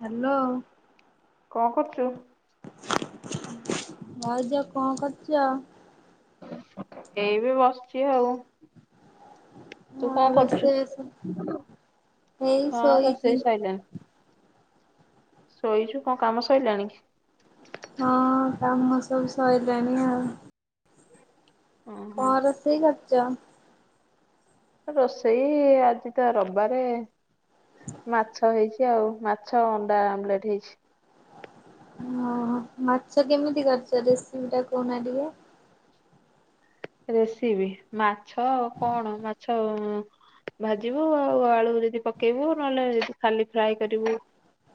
Hello. କଁ କରୁଚୁ? ଭାଉଜ କଁ କରଚ? ଏଇ ଏବେ ବସଚି ଆଉ। ତୁ ହଁ କଁ କରୁଚୁ? ରୋଷେଇ ବାସ ଏଇ ହଁ ଶୋଇଛି। ରୋଷେଇ ସାଇଲିଣି। ଶୋଇଚୁ କଁ କାମ ସଇଲାଣି କି? ହଁ କାମ ସବୁ ସଇଲାଣି ଆଉ। ଓହୋ। କଁ ରୋଷେଇ କରିଚ? ରୋଷେଇ ଆଜି ତ ରବାରେ ମାଛ ହେଇଚି। ଏମିତି ଆଉ ମାଛ ଅଣ୍ଡା ଆମ୍ଲେଟେ ହେଇଛି। ହଁ ମାଛ କେମିତି କରିଚ ରେସିପି ଟା କହୁନା ଟିକିଏ? ରେଷିବି ମାଛ କଣ ମାଛ ଭାଜିବୁ ଆଉ ଆଳୁ ଯେଦି ପକେଇବୁ ନହେଲେ ଖାଲି ଫ୍ରାଏ କରିବୁ।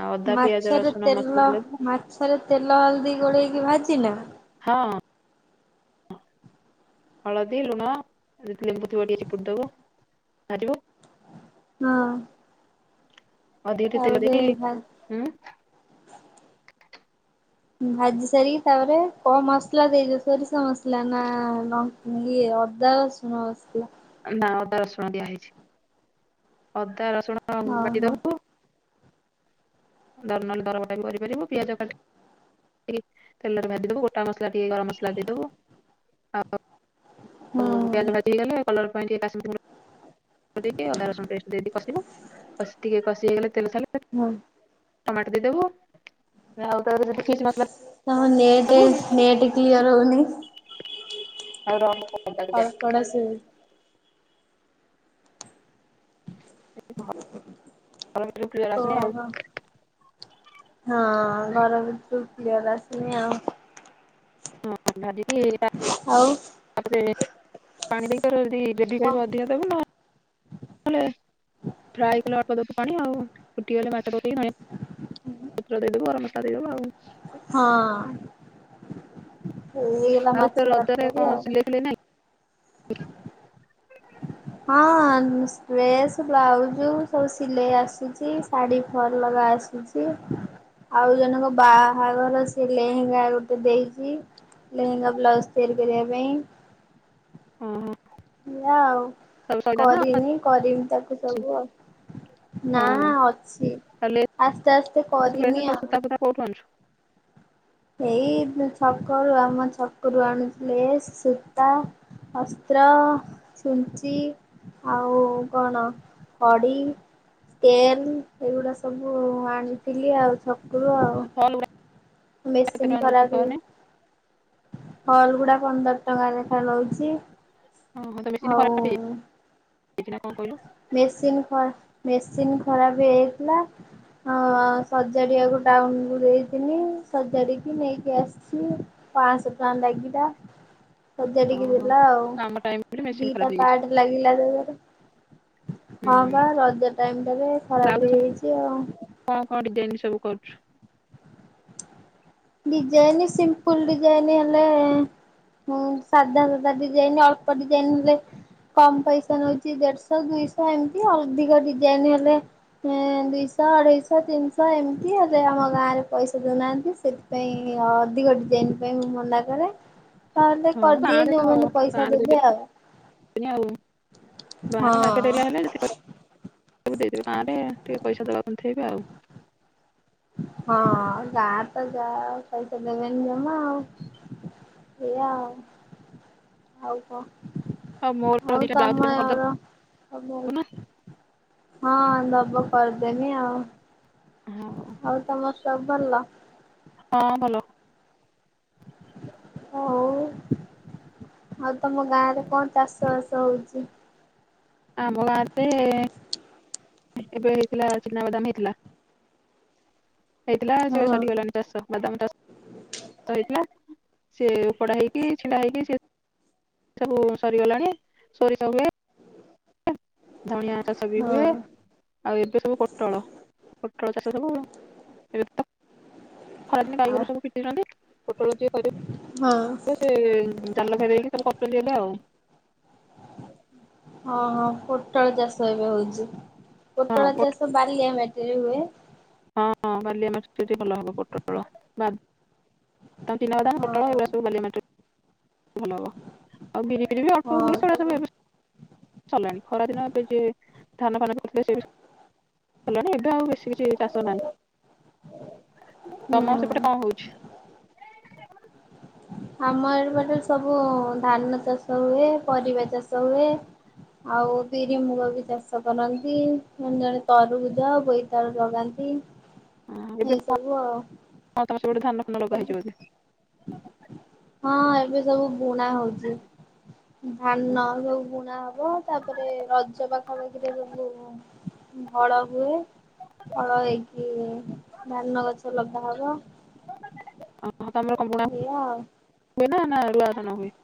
ଆଉ ଅଦା ପିଆଜ ମାଛରେ ରସୁଣ ମସଲା ତେଲ ଦେବୁ ମାଛରେ ତେଲ ହଳଦୀ ଗୋଳେଇକି ଭାଜିିନା। ହଁ ହଳଦୀ ଲୁଣ ଯଦି ଲେମ୍ବୁ ଥିବ ଟିକେ ଚିପୁଡି ଦବ ଭାଜିବ ହଁ ଅଧିକ ଟିକେ ତେଲ ତାପରେ ଭା ଦେଇକି ଉଁ ଭାଜି ସାରିକି ତାପରେ କଣ ମସଲା ଦେଇଚ ସୋରିଷ ମସଲା ନା ନ ଇଏ ଅଦା ରସୁଣ ମସଲା। ନା ଅଦା ରସୁଣ ଦିଆ ହେଇଛି। ଅଦା ରସୁଣ ଓହୋ। ବାଟିଦବୁ ଦର ନେଲେ ଦରବଟା ବି କରିପାରିବୁ ପିଆଜ କାଟି ଟିକେ ତେଲରେ ଭାଜିଦବୁ ଗୋଟା ମସଲା ଟିକେ ଗରମ ମସଲା ଦେଇଦବୁ ଆଉ ହୁଁ ଆଉ ପିଆଜ ଭାଜି ହେଇଗଲେ କଲର ପାଇଁ ଟିକେ କାଶ୍ମୀର ଗୁଣ୍ଡ ଦେଇକି ଅଦା ରସୁୁଣ ପେଷ୍ଟ ଦେଇଦେଇକି କଷିବୁ। କଷି ଟିକେ କଷି ହେଇଗଲେ ତେଲ ଛାଡିଲେ ହଁ ଟମାଟ ଦେଇଦବୁ। ଆଉ ତାପରେ ଯଦି ଫିସ୍ ମସଲା ତମ [inaudible] ନେଟ୍ ଦବୁ [inaudible] ନେଟ୍ କ୍ଲିୟର ହଉନି। ଆଉ ର [inaudible] ଯାଏ। ଅଳ୍ପଟା ଶୁଭୁ ଭ ଘର ଭିତରୁ କ୍ଲିୟର ଆସୁୁନି ଆଉ ଓହୋ ହଁ ଘର ଭିତରୁକୁ କ୍ଲିୟର ଆସୁୁନି ଆଉ। ହଁ ଭାଜିକି ତା ଆଉ ତାପରେ ପାଣି ଦେଇକି ତୋର ଯଦି ଗ୍ରେଭି କଣ? କରିବୁ ଅଧିକା ଦ ଦେବୁନ ନଲେ ଫ୍ରାଏ କଲେ ଅଳ୍ପ ଦବୁ ପାଣି ଆଉ। ଫୁଟିଗଲେ ମାଛ ପକେଇକି ଧଣିଆ ପତ୍ର ଦେଇଦବୁ, ଗରମ ମସଲା ଦେଇଦବୁ ଆଉ। ହଁ ହେଇଗଲା ଆଉ ତୋ ମାଛ ରଜରେ ତରକାରୀ କଣ ଆଉ। ସିଲେଇ ଫିଲେଇ ନାହିଁ? ହଁ ଡ୍ରେସ୍ ବ୍ଲାଉଜ ସବୁ ସିଲେଇ ଆସିଚି। ଶାଢ଼ୀ ଫଲ୍ ଲଗା ଆସିଚି। ଆଉ ଜଣକ ବାହାଘର ସେ ଲେହେଙ୍ଗା ଗୋଟେ ଦେଇଚି। ଲେହେଙ୍ଗା ବ୍ଲାଉଜ ତିଆରି କରିବା ପାଇଁ। ହଁ ହଁ ଇଆ ଆଉ କରିନି କରିମି ତାକୁ ଅଛି ସବୁ ଆଉ। ନା ହଁ ଅଛି ତାହେଲେ ଆସ୍ତେ ଆସ୍ତେ ଏସି ଫେସି କରିମି ସବୁ ଆଉ। ସୂତା ଫୁତା କୋଉଠୁ ଆଣୁଛୁ? ଏଇ ଛକରୁ ଆମ ଛକରୁ ଆଣୁଚି ଲେସ୍, ସୁତା ଅସ୍ତ୍ର, ଛୁଞ୍ଚି ଆଉ କଣ ଖଡି ତେନ୍ ଏଗୁଡ଼ା ସବୁ ଆଣିଥିଲି ଆଉ ଛକରୁ ଆଉ। ଫଲ୍ ଉଡା ମେସିନ୍ ଖରାପ ହେଇଚି ଫଲ୍ ଗୁଡା ପନ୍ଦର ଟଙ୍କା ଲେଖା ଲୋଉଛି। ଓହୋ ତୋ ମେସିନ୍ ଟା ଖରାପ ହେଇଯାଇଚି, ହେଇଚି ନା କଣ କହିଲୁ? ମେସିନ୍ ଖରା ମେସିନ୍ ଖରାପ ହେଇଯାଇଥିଲା। ହଁ ସଜାଡିବାକୁ ଟାଉନ କୁ ଦେଇଥିନି ସଜାଡିକି ନେଇକି ଆସ୍ ଚି ପାଆଁଶ ଟଙ୍କା ଲାଗିଲା। ସଜାଡ଼ିକି ଓହୋ ଦେଲା ଆଉ, କାମ ଟାଇମ୍ ରେ ମେସିନ୍ ଖରାପ ଦିଟା ହେଇଯାଇଛି। ପାର୍ଟ ଲାଗିଲା ତାଧିଏରେ ହଁ ହୁଁ ପା ରଜ ଟାଇମ ଟା ରେ ବ୍ଲାଉଜ ଖରାପ ସବୁ ହେଇଯାଇଚି ଆଉ। କଣ କଣ ଡିଜାଇନ ସବୁ କରୁଛୁ? ଡିଜାଇନି ସିମ୍ପୁଲ ଡିଜାଇନ ହେଲେ ହୁଁ ସାଧା ସୁଧା ଡିଜାଇନ ଅଳ୍ପ ଡିଜାଇନ ହେଲେ କମ୍ ପଇସା ନଉଛି ଦେଢଶହ ଦୁଇଶହ ଏମିତି ଅଧିକ ଡିଜାଇନ ହେଲେ ହୁଁ ଦୁଇଶହ ଅଢେଇଶହ ତିନିଶହ ଏମିତି ହେଲେ ଆମ ଗାଁ ରେ ପଇସା ଦେଉନାହାଁନ୍ତି ସେ ପାଇଁ ଅଧିକ ଡିଜାଇନ ପାଇଁ ମୁଁ ମନା କରେ। ତାହେଲେ ହଁ କରିଦିଏ ଗାଁରେ ଯୋଉମାନେ ପଇସା ଦେବେ ଆଉ। ନି ଆଉ ବାହାରେ ହଁ। ମାର୍କେଟ ଏରିଆ ହେଲେ ଯେତିକି କ ସବୁ ଦେଇଦେବେ ଗାଁ ରେ ଟିକେ ପଇସା ଦବାକୁ କୁଥେଇବେ ଆଉ। ହଁ ଗାଁରେ ତ ଯା ପଇସା ଦେବେନି ଜମା ଆଉ। ସେୟା ଆଉ ଆଉ କ? ଆଉ ମୋର ଆଉ ଦିଟା ବ୍ଲାଉଜ ଦେଲେ ତମର କରିଦବୁ ଅ ନା? ବହୁତ୍ ହଁ ଦବ କରିଦେମି ଆଉ। ହଉ ଆଉ ତମର ସବୁ ଭଲ? ହଁ ଭଲ। ହଉ ଆଉ ତମ ଗାଁ ରେ କଣ ଚାଷ ବାସ ହଉଚି? ଆମ ଗାଁ ରେ ଏବେ ହେଇଥିଲା ଚିନାବାଦାମ ହେଇଥିଲା ହେଇଥିଲା ସେ ହଁ ସରିଗଲାନି। ଚାଷ ବାଦାମ ଚାଷ ହେଇଥିଲା ସେ ଓପଡ଼ା ହେଇକି ଛିଣ୍ଡା ହେଇକି ସେ ସବୁ ସରିଗଲାଣି ସୋରିଷ ହୁଏ। ଧଣିଆ ଚାଷ ବି ହଁ। ହୁଏ। ଆଉ ଏବେ ସବୁ ପୋଟଳ ପୋଟଳ ଚାଷ ସବୁ ଏବେ ତ ଖରାଦିନେ ଆଉ ଗଈଗୋରୁ ସବୁ ପିଟୁଛନ୍ତି ପୋଟଳ ଯିଏ କରିବ ହଁ ଏ ସେ ଜାଲ ଘେରେଇକି ତାକୁ କରୁଚନ୍ତି ଏବେ ଆଉ। ହଁ ହଁ ପୋଟଳ ଚାଷ ଏବେ ହଉଛି ହଁ ପୋଟଳ ପୋ ଚାଷ ବଲିଆ ମାଟିରେ ହୁଏ। ହଁ ବାଲିଆ ମାଟିରେ ଟିକେ ଭଲ ହବ ପୋଟଳ ବା ତ ଚିନାବାଦାମ ପୋଟଳ ହଁ ଏଉରା‌ ସବୁ ବାଲିଆ ମାଟିରେ‌ ଭଲ ହବ ଆଉ ବିରି ଫିରି ବି ହଁ ଅଳ୍ପ ହୁଏ ସେଗୁଡା ତମ ସବୁ ଏବେ ସରିଲାଣି ଖରାଦିନ ଏବେ ଯିଏ ଧାନ ଫାନ କରିଥିଲେ ସେବି ସରିଲିଣି ଏବେ ଆଉ ବେଶୀ କିଛି ଚାଷ ନାହିଁ। ହୁଁ। ତମ ସେପଟେ କଣ ହଉଛି? ଆମ ଏ ପଟେରେ ସବୁ ଧାନ ଚାଷ ହୁଏ ପରିବା ଚାଷ ହୁଏ। ଆଉ ବିରି ମୁଗ ବି ଚାଷ କରନ୍ତି ଜଣେ ତରୁଭୁଜ ବୋଇତାଳୁ ଲଗାନ୍ତି। ଏଇ ସବୁ ଆଉ। ଆଉ ତମ ସେପଟେ ଧାନ ଫାନ ଲଗା ଏବେ ହେଇଛି ବୋଧେ? ହଁ ଏବେ ସବୁ ବୁଣା ହଉଛି ଧାନ ସବୁ ବୁଣା ହବ ତାପରେ ରଜ ପାଖାପାଖିରେ ସବୁ ହଳ ହୁଏ। ହଳ ହେଇକି ଧାନ ଗଛ ଲଗାହବ। ହ ତମର କଣ ବୁଣା ଏଇଆ ଆଉ ହୁ ଏ ନା ରୁଆ ଧାନ ହୁଏ?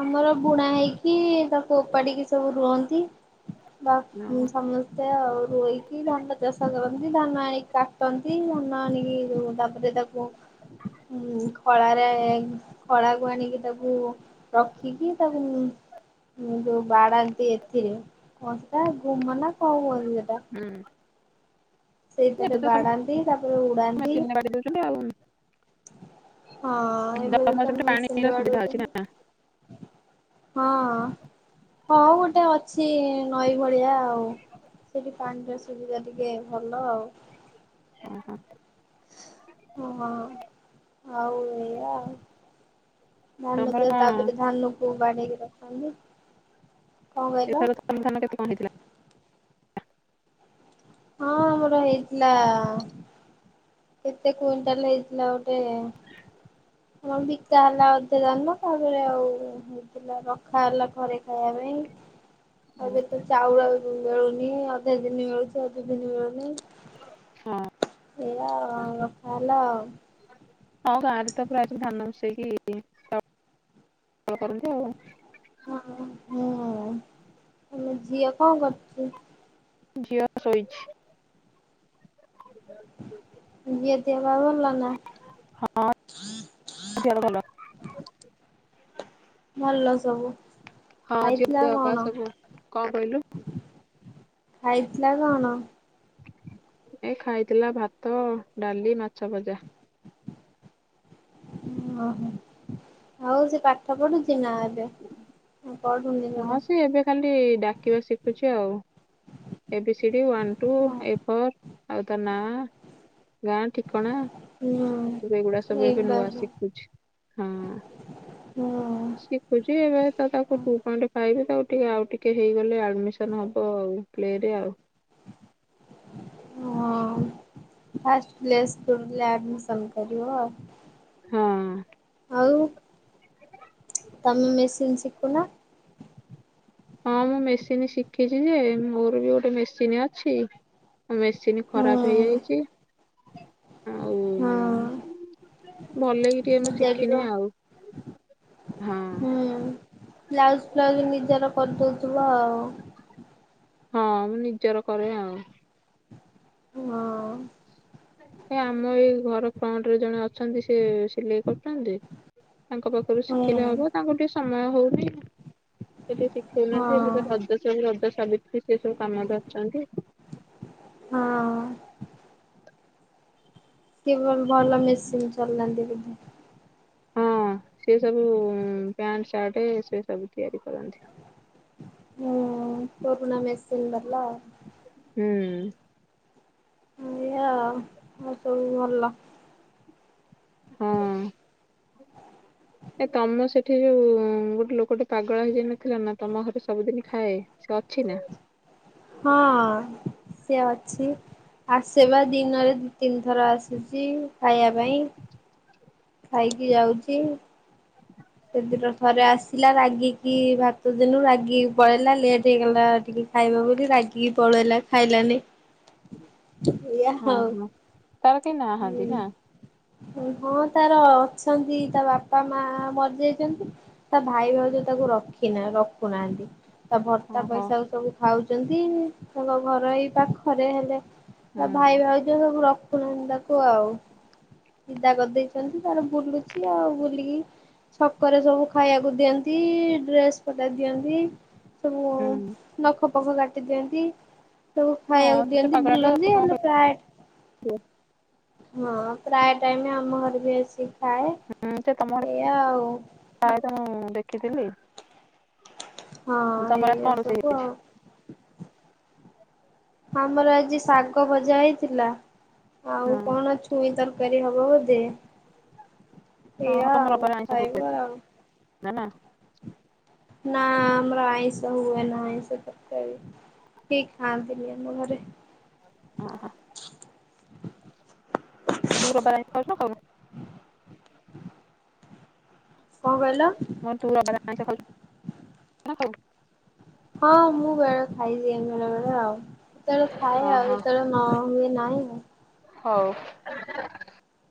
ଆମର ବୁଣା ହେଇକି ତାକୁ ଓପାଡିକି ସବୁ ରୁଅନ୍ତି। ବାସ୍ ମୁଁ ଓହୋ ସମୁ ତି ଆଉ ରୋଇକି ଧାନ ଚାଷ କରନ୍ତି ଧାନ ଆଣିକି କାଟନ୍ତି ଧାନ ଆଣିକି ରୋ ତାପରେ ତାକୁ ହ [unintelligible] ହୁଁ ମୁଁ ଖଳାରେ ଖଳାକୁ ଆଣିକି ତାକୁ ରଖିକି ତାକୁ ଯୋଉ ବାଡ଼ାନ୍ତି ଏଥିରେ କଣ୍ଟା ଗୁମାନ୍ତା କଣ କୁହନ୍ତି ସେଟା ହୁଁ। ସେଇଥିରେ ବାଡାନ୍ତି ତାପରେ ଉଡାନ୍ତି। ଉ ଆଉ [unintelligible] ହଁ ଏବେ ତମର ତ ସେପଟେ ପାଣିର ମେସିନରେ ସୁବିଧା ଅଛି ନା? ବଡାଉଛନ୍ତି ହଁ। ହଁ ଗୋଟେ ଅଛି ନଈ ଭଳିଆ ଆଉ। ସେଠି ପାଣିର ସୁବିଧା ଟିକେ ଭଲ ଆଉ। ଓହୋ ହଁ ଆଉ ନିଅ ଆଉ। ଧାନ ତମର ତ କଣ ତାପରେ ଧାନ କୁ ବାଡେଇକି ରଖନ୍ତି। କଣ କହିଲ ଏଥର ସମାଧାନ କେତେ କଣ ହେଥିଲା? ହଁ ଆମର ହେଇଥିଲା। କେତେ କୁଇଣ୍ଟାଲ ହେଇଥିଲା ଗୋଟେ ଆମର ବିକା ହେଲା ଅଧେ ଧାନ ତାପରେ ଆଉ ରଖା ହେଲା ଘରେ ଖାଇବା ପାଇଁ। ଏବେ ତ ଚାଉଳ ମିଳୁନି ଅଧେ ଦିନ ମିଳୁଛି ଅଧେ ଦିନ ମିଳୁନି। ହଁ। ଏଇଆ ରଖା ହେଲା ଆଉ। ଆମ ଗାଁ ରେ ତ ପ୍ରାୟ ଧାନ ମିସେଇକି କରନ୍ତି ଆଉ। ହଁ ହୁଁ ତମ ଝିଅ କଣ କରୁଚି? ଝିଅ ଶୋଇଛି। ଦିହ ପା ଭଲ ନା? ହଁ ଝିଅର ଭଲ। ଭଲ ସବୁ। ହଁ ଝିଅ ଖାଇଥିଲା ପୁଅ ହେକା କଣ? ସବୁ କଣ କହିଲୁ? ଖାଇଥିଲା କଣ? ଏ ଖାଇଥିଲା ଭାତ, ଡାଲି, ମାଛ ଭଜା। ଓହୋ ଆଉ ସେ ପା ଠ ପଢୁଚି ନା ଏବେ? ପଢୁନି ଜମା ହଁ ସେ ଏବେ ଖାଲି ଡାକିବା ଶିଖୁଛି ଆଉ। A B C D one two A four ଆଉ ତା ନାଁ ଗାଁ ଠିକଣା। ହୁଁ। ଏଗୁଡା ସବୁ ଏଇ ଏବେ ବା ନୂଆ ଶିଖୁଛି ହଁ। ହୁଁ। ଶିଖୁଛି ଏବେ ତ ତାକୁ ଟୁ ପଏନଟ୍ ଫାଇଭ ତାକୁ ଟିକେ ଆଉ ଟିକେ ହେଇଗଲେ ଆଡମିସନ ହେବ ଆଉ। ପ୍ଲେ ରେ ଆଉ। ହଁ ଫାଷ୍ଟ ପ୍ଲେ ସ୍କୁଲରେ ଆଡମିଶନ୍ କରିବ ଆଉ। ହଁ। ଆଉ ତମେ ମେସିନ୍ ଶିଖୁନ। ହଁ ମୁଁ ମେସିନ୍ ଶିଖିଛି ଯେ ମୋର ବି ଗୋଟେ ମେସିନ୍ ଅଛି। ମେସିନ୍ ହୁଁ ଖରାପ ହୋଇଯାଇଛି। ଆଉ ହଁ। ଭଲକି ଟିକେ ମୁଁ ସଜାଡ଼ିବ ଶିଖିନି ଆଉ ହଁ। ହୁଁ ବ୍ଲାଉଜ ଫ୍ଲାଉଜ ନିଜର କରିଦେଉଥିବ ଆଉ। ହଁ ମୁଁ ନିଜର କରେ ଆଉ ହଁ। ଏ ଆମ ଏଇ ଘର ଫ୍ରଣ୍ଟରେ ଜଣେ ଅଛନ୍ତି ସେ ସିଲେଇ କରୁଛନ୍ତି ତାଙ୍କ ପାଖରୁ ହୁଁ ଶିଖିଲେ ହେବ ତାଙ୍କୁ ଟିକେ ସମୟ ହେଉନି ସେ ଟିକେ ହଁ ଶିଖଉନାହାନ୍ତି ହଁ। ଏବେ ତ ସେ ରଜ ସାବିତ୍ରି ସେ ସବୁ କାମରେ ଅଛନ୍ତି ହଁ। କି ଭଲ ମେସିନ୍ ଚଲାନ୍ତି ବୋଧେ? ହଁ ସେ ସବୁ ପ୍ୟାଣ୍ଟ ସାର୍ଟ ସେସବୁ ତିଆରି କରନ୍ତି। ହୁଁ ପୁରୁଣା ମେସିନ୍ ୱାଲା ଆଉ ହୁଁ। ଏଇୟା ଆଉ ଆାଉ ସବୁ ଭଲ? ହଁ। ଏ ତମ ସେଠି ଯେଉଁ ଗୋଟେ ଲୋକ ପାଗଳ ହୋଇଯାଇନଥିଲା ନା ତମ ଘରେ ସବୁଦିନ ଖାଏ? ସେ ଅଛି ନା? ହଁ ସେ ଅଛି ଆସିବା ଦିନରେ ଦୁଇ ତିନିଥର ଆସିଛି ଖାଇବା ପାଇଁ ଖାଇକି ଯାଉଛି ସେ ଦିନ ଥରେ ଆସିଲା ରାଗିକି ଭାତ ଦେଲୁ ରାଗିକି ପଳେଇଲା ଲେଟ୍ ହେଇଗଲା ଟିକେ ଖାଇବ ବୋଲି ରାଗିକି ପଳେଇଲା ଖାଇଲାନି ଏଇଆ ହୁଁ ଆଉ। ହୁଁ ତାର କେହି ନାହାନ୍ତି ନା? ହଁ ତାର ଅଛନ୍ତି ତା ବାପା ମା ମ ତା ଭାଇଭାଉଜ ତାକୁ ରଖି ରଖୁନାହାନ୍ତି ତା ଭତ୍ତା ଓହୋ ପଇସାକୁ ସବୁ ଖାଉଛନ୍ତି ତାଙ୍କ ଘର ଏଇ ପାଖରେ ହେଲେ ହୁଁ ତା ଭାଇଭାଉଜ ସବୁ ରଖୁନାହାନ୍ତି ତାକୁ ଆଉ ବିଦା କରିଦେଇ ସେମିତି ତାର ବୁଲୁଛି ଆଉ ବୁଲିକି ଛକରେ ସବୁ ଖାଇବାକୁ ଦିଅନ୍ତି ଡ୍ରେସପଟା ଦିଅନ୍ତି ସବୁ ହୁଁ ନଖପଖ କାଟି ଦିଅନ୍ତି ତାକୁ ଖାଇବାକୁ ହଁ ସେ ଦିଅନ୍ତି ପାଗଳାଟି ଆଉ ବୁଲନ୍ତି କଣ ହେଲେ ପ୍ରାୟ କରିବ ହଁ ପ୍ରାୟ ଟାଇମ ଆମ ଘରେ ବି ଆସି ହୁଁ ସେ ତମ ପ୍ରଥାଏ ତ ମୁଁ ଦେଖିଥିଲି ହଁ ତମର ଆଜି ଏଇଆା କଣ ରୋଷେଇ ସବୁ ଆଉ ଆମର ଆଜି ଶାଗଭଜା ହୋଇଥିଲା ଆଉ ହେଇଛି ହଁ କଣ ଛୁଇଁ ତରକାରି ହେବ ବୋଧେ? ହଁ ସେଇୟା ତମ ଆଉ ରବିବାର ଆଇଁଷ ହୁଏ ଖାଇବ ଆଉ ନା ନା ନା ଆମର ଆଇଁଷ ହୁଏନା ଆଇଁଷ ତରକାରି କେହି ଖାଆନ୍ତିନି ଆମ ଘରେ ଓହୋ। [unintelligible] କଣ କହିଲ? ନା ତୋ ବାବା ତ ଆଇଁଷ ଖାଉଚି? [unintelligible] ହଁ ମୁଁ ବେଳେ ଖାଇ ଦିଏ ବେଳେ ବେଳେ ଆଉ ଏତେବେଳେ ଥାଏ ଆଉ ଓହୋ ଯେତେବେଳେ ନ ହୁଏ ନାହିଁ ଆଉ ହଉ